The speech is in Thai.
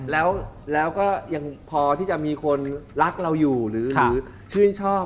แล้วก็ยังพอที่จะมีคนรักเราอยู่หรือชื่นชอบ